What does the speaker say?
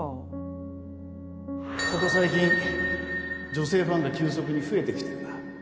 ここ最近女性ファンが急速に増えてきてるな。